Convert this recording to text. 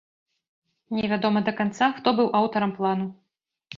Невядома да канца, хто быў аўтарам плану.